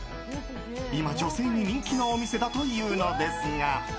今、女性に人気のお店だというのですが。